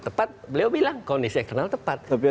tepat beliau bilang kondisi eksternal tepat